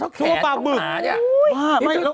ตัวแขนของหานี่